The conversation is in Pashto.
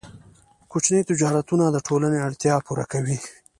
کوچني تجارتونه د ټولنې اړتیاوې پوره کوي.